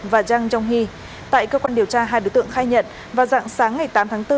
và jang jong hee tại cơ quan điều tra hai đối tượng khai nhận và dạng sáng ngày tám tháng bốn